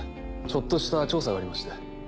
ちょっとした調査がありまして。